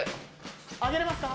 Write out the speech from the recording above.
上げれますか？